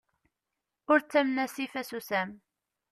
Ur ttamen asif asusam.